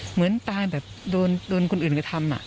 เหมือนตายแบบโดนคนอื่นกระทำ